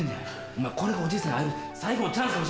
お前これがおじいさんに会える最後のチャンスかも。